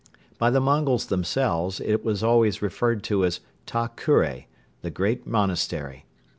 By the Mongols themselves it is always referred to as Ta Kure, "The Great Monastery."